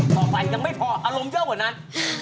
ต่อไปยังไม่พออารมณ์เยอะกว่านั้น